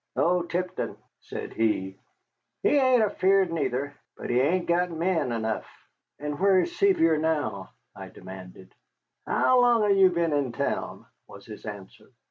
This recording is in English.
"Oh, Tipton," said he, "he hain't afeard neither, but he hain't got men enough." "And where is Sevier now?" I demanded. "How long hev you ben in town?" was his answer.